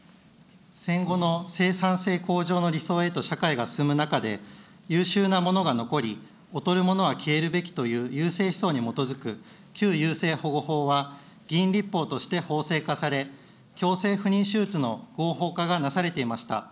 戦後の生産性向上の理想へと社会が進む中で、優秀な者が残り、劣るものは消えるべきという優生思想に基づく旧優生保護法は議員立法として法制化され、強制不妊手術の合法化がなされていました。